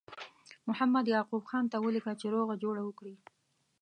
محمد یعقوب خان ته ولیکه چې روغه جوړه وکړي.